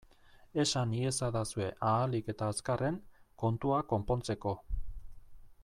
Esan iezadazue ahalik eta azkarren, kontua konpontzeko!